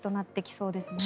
そうですね。